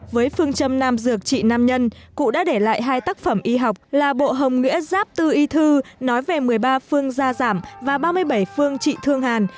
với phương châm nam dược trị nam nhân cụ đã để lại hai tác phẩm y học là bộ hồng nghĩa giáp tư y thư nói về một mươi ba phương gia giảm và ba mươi bảy phương trị thương hàn